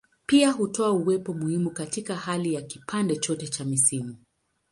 Pia hutoa uwepo muhimu katika hali ya kipande chote cha misimu.